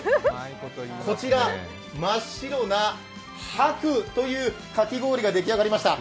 こちら真っ白なＨＡＫＵというかき氷が出来上がりました。